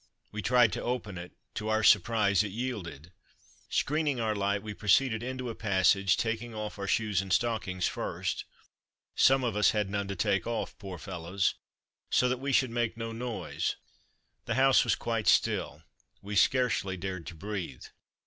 We tried to open it: to our surprise it yielded. Screening our light we proceeded into a passage, taking off our shoes and stockings first (some of us had none to take off, poor fellows!) so that we should make no noise. The house was quite still; we scarcely dared to breathe.